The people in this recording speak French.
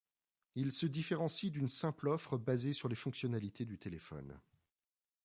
Ils se différencient d’une simple offre basée sur les fonctionnalités du téléphone.